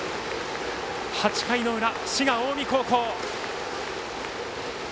８回の裏、滋賀・近江高校。